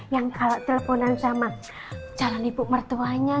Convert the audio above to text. yang kalau teleponan sama calon ibu mertuanya